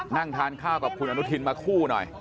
นั่งทานข้าวกับคุณอนุทินมาคู่หน่อย